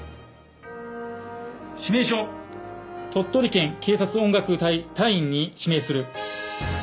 「指名書鳥取県警察音楽隊隊員に指名する」。